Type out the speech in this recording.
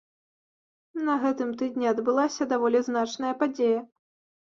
На гэтым тыдні адбылася даволі значная падзея.